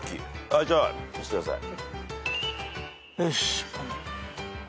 じゃあ見してください。